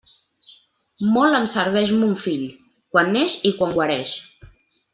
Molt em serveix mon fill, quan neix i quan guareix.